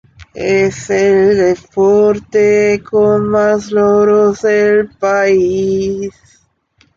Es el deporte con más logros del país.